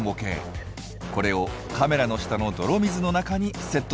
これをカメラの下の泥水の中にセットします。